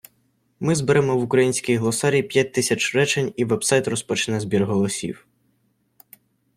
Ми зберемо в український глосарій п'ять тисяч речень і вебсайт розпочне збір голосів